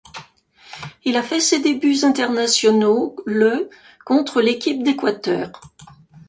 Il a fait ses débuts internationaux le contre l'équipe d'Équateur.